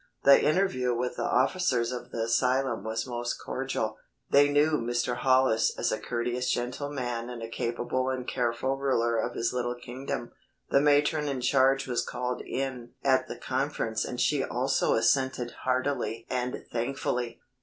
The interview with the officers of the asylum was most cordial. They knew Mr. Hollis as a courteous gentleman and a capable and careful ruler of his little kingdom. The matron in charge was called in at the conference and she also assented heartily and thankfully.